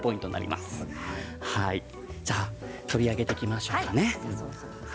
では取り上げていきましょうかね。